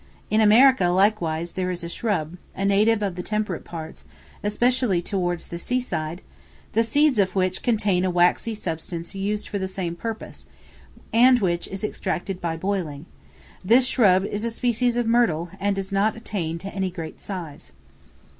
In America, likewise, there is a shrub, a native of the temperate parts, especially towards the sea side, the seeds of which contain a waxy substance used for the same purpose, and which is extracted by boiling; this shrub is a species of myrtle, and does not attain to any great size.